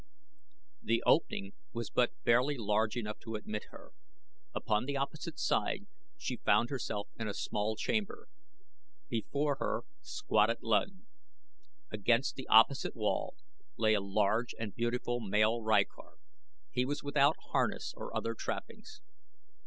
The opening was but barely large enough to admit her. Upon the opposite side she found herself in a small chamber. Before her squatted Luud. Against the opposite wall lay a large and beautiful male rykor. He was without harness or other trappings.